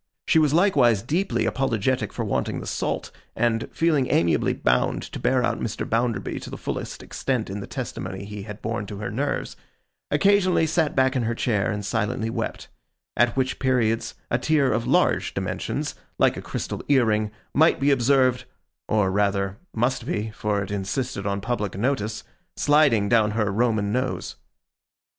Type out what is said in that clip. She was likewise deeply apologetic for wanting the salt; and, feeling amiably bound to bear out Mr. Bounderby to the fullest extent in the testimony he had borne to her nerves, occasionally sat back in her chair and silently wept; at which periods a tear of large dimensions, like a crystal ear ring, might be observed (or rather, must be, for it insisted on public notice) sliding down her Roman nose.